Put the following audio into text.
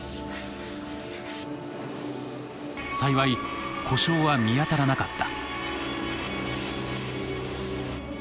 幸い故障は見当たらなかった。